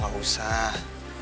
ya ma gak usah